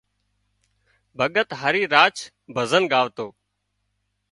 ڀڳت هاري راڇ ڀزن ڳاوتو